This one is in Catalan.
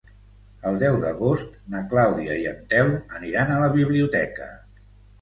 El deu d'agost na Clàudia i en Telm aniran a la biblioteca.